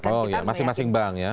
oh ya masing masing bank ya